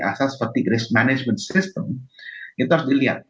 asas fatigue risk management system itu harus dilihat